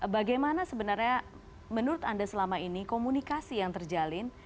bagaimana sebenarnya menurut anda selama ini komunikasi yang terjalin